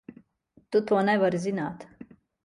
Tu to nevari zināt!